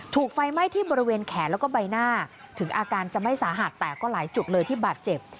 ถูกไฟไหม้ที่บริเวณแขนแล้วก็ใบหน้าถึงอาการจะไม่สาหัสแต่ก็หลายจุดเลยที่บาดเจ็บ